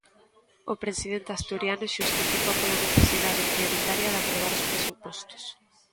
O presidente asturiano xustifícao pola necesidade prioritaria de aprobar os Presupostos.